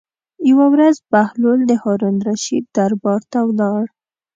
یوه ورځ بهلول د هارون الرشید دربار ته ولاړ.